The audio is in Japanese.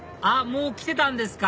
もう来てたんですか？